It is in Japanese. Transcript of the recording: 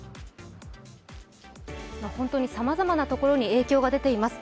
さまざまなところに影響が出ています。